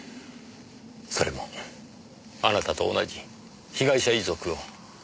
それもあなたと同じ被害者遺族を。